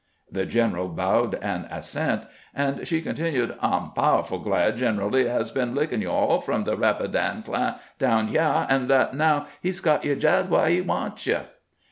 The general bowed an assent, and she con tinued :" I 'm powerful glad Greneral Lee has been lickin' you aU from the Eapidan cl'ah down h'yah, and that now he 's got you jes wh'ah he wants you."